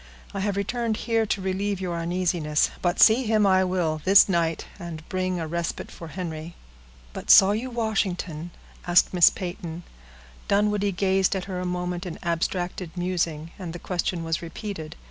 I have returned here to relieve your uneasiness, but see him I will this night, and bring a respite for Henry." "But saw you Washington?" asked Miss Peyton. Dunwoodie gazed at her a moment in abstracted musing, and the question was repeated.